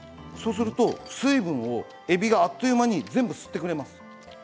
そうすると水分をえびがあっという間に全部吸ってくれます。